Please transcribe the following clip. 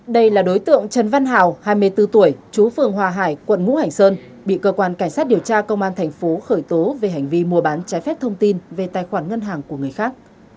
đây là đối tượng trần văn hào hai mươi bốn tuổi chú phường hòa hải quận ngũ hành sơn bị cơ quan cảnh sát điều tra công an thành phố khởi tố về hành vi mua bán trái phép thông tin về tài khoản ngân hàng của người khác